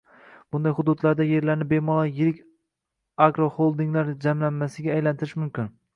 Bunday hududlarda yerlarni bemalol yirik agroholdinglar jamlanmasiga aylantirish mumkin.